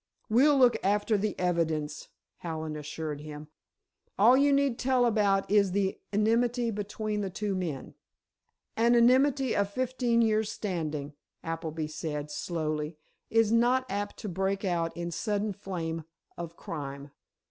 "We'll look after the evidence," Hallen assured him. "All you need tell about is the enmity between the two men." "An enmity of fifteen years' standing," Appleby said, slowly, "is not apt to break out in sudden flame of crime.